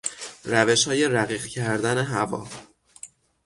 روشهای رقیق کردن هوا